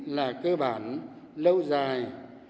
là cơ bản lâu dài